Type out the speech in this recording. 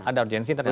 ada urgensi ternyata